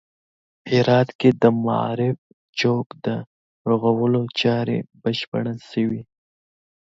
هرات کې د معارف چوک د رغولو چارې بشپړې شوې